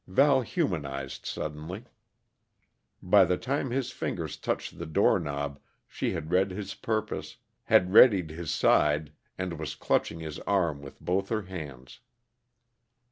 Val humanized suddenly. By the time his fingers touched the door knob she had read his purpose, had readied his side, and was clutching his arm with both her hands.